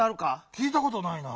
きいたことないな。